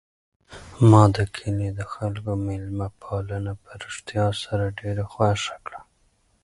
ما د کلي د خلکو مېلمه پالنه په رښتیا سره ډېره خوښه کړه.